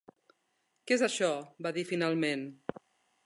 "Què és això?", va dir finalment.